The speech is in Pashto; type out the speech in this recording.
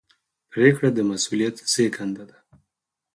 پرېکړه د مسؤلیت زېږنده ده.